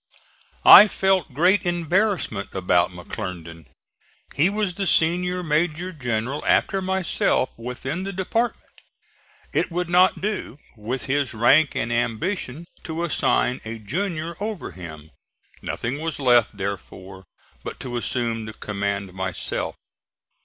I felt great embarrassment about McClernand. He was the senior major general after myself within the department. It would not do, with his rank and ambition, to assign a junior over him. Nothing was left, therefore, but to assume the command myself.